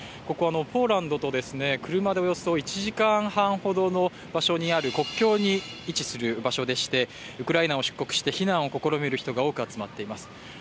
ここポーランドと車でおよそ１時間半ほどの場所にある国境に位置する場所でしてウクライナを出国して避難を試みる人が多く集まっています。